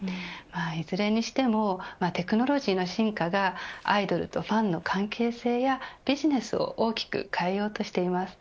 いずれにしてもテクノロジーの進化がアイドルとファンの関係性やビジネスを大きく変えようとしています。